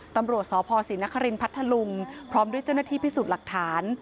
ตำรวจสพศรีนครินพัทธลุงพร้อมด้วยเจ้าหน้าที่พิสูจน์หลักฐาน